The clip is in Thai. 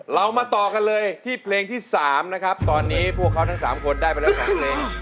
เรามาต่อกันเลยที่เพลงที่๓นะครับตอนนี้พวกเขาทั้ง๓คนได้ไปแล้ว๓เพลง